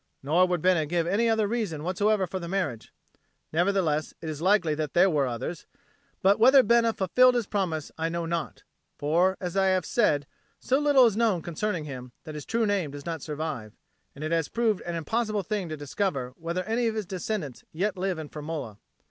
Nor would Bena give any other reason whatsoever for the marriage. Nevertheless it is likely that there were others. But whether Bena fulfilled his promise I know not; for, as I have said, so little is known concerning him that his true name does not survive, and it has proved an impossible thing to discover whether any of his descendants yet live in Firmola.